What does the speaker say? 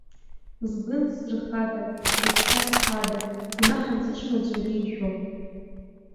Згәы нсырхада, зыгәшәа сҳәада, гәнаҳа нсыжьма ӡәыр ишәо?